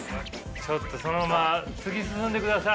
ちょっとそのまま突き進んでください。